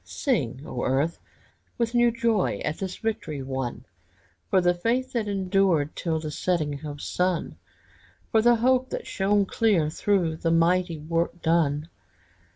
Sing, O earth, with new joy At this victory won! For the faith that endured Till the setting of sun! For the hope that shone clear Through the mighty work done!